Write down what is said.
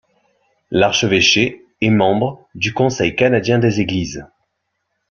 L'archevêché est membre du Conseil canadien des Églises.